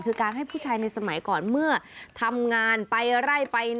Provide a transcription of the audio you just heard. คือการให้ผู้ชายในสมัยก่อนเมื่อทำงานไปไอร์ไหม้ไปนาไปสวน